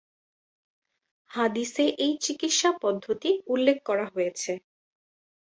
হাদিসে এই চিকিৎসা পদ্ধতি উল্লেখ করা হয়েছে।